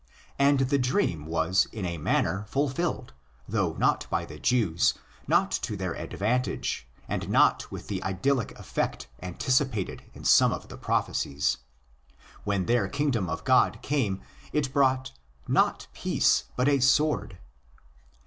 And the dream was in a manner fulfilled; though not by the Jews, not to their advantage, and not with the idyllic effect antici pated in some of the prophecies. When their kingdom of God came, it brought " not peace, but a sword."